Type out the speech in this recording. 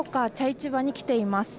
市場に来ています。